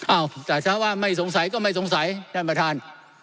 อ้าวแต่ถ้าว่าไม่สงสัยก็ไม่สงสัยท่านประธาน